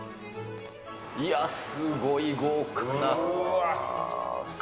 いや、すごい豪華な。